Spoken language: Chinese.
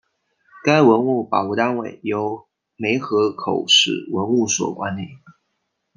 该文物保护单位由梅河口市文物所管理。